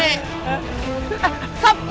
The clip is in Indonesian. dar ada angkot dar